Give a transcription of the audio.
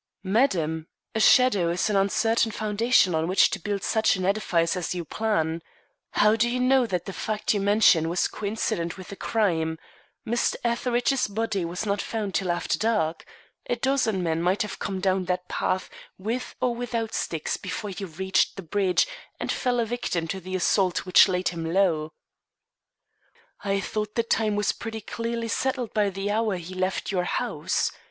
"Madam, a shadow is an uncertain foundation on which to build such an edifice as you plan. How do you know that the fact you mention was coincident with the crime? Mr. Etheridge's body was not found till after dark. A dozen men might have come down that path with or without sticks before he reached the bridge and fell a victim to the assault which laid him low." "I thought the time was pretty clearly settled by the hour he left your house.